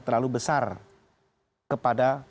terlalu besar kepada